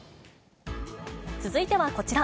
続いてはこちら。